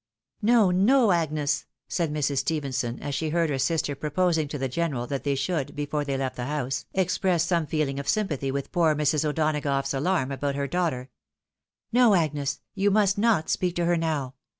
" No, no, Agnes I " said Mrs. Stephenson, as she heard her sister proposing to the general that they should, before they left the house, express some feeling of sympathy with poor Mrs. O'Donagough's alarm about her daughter, " No, Agnes, you must not speak to her now